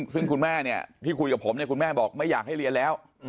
ซึ่งคุณแม่เนี่ยที่คุยกับผมเนี่ยคุณแม่บอกไม่อยากให้เรียนแล้ว